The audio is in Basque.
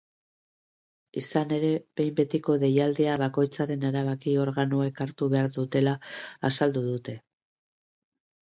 Izan ere, behin-betiko deialdia bakoitzaren erabaki organoek hartu behar dutela azaldu dute.